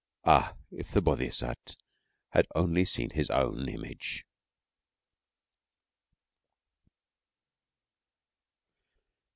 Ah, if the Bodhisat had only seen his own image!